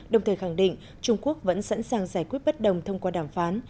đồng thời khẳng định trung quốc vẫn sẵn sàng giải quyết bất đồng thông qua đàm phán